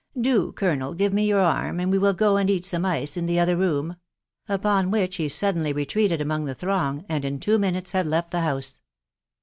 " Do, Colonel, give me your arm, and we will go and eat some ice in the other room ;" upon which he suddenly retreated among the throng, and in two minutes had left the house.